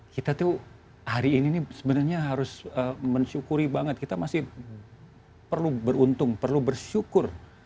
kita tuh hari ini nih sebenarnya harus bersyukur banget harus beruntung selalu bersyukur